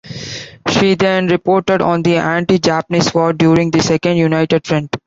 She then reported on the Anti-Japanese war during the Second United Front.